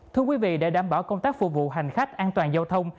thưa quý vị để đảm bảo công tác phù hữu hành khách an toàn giao thông